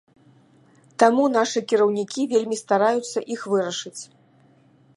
Таму нашы кіраўнікі вельмі стараюцца іх вырашыць.